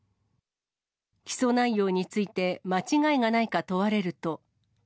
起訴内容について間違いがないか問われると。